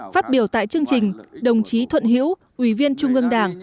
phát biểu tại chương trình đồng chí thuận hữu ủy viên trung ương đảng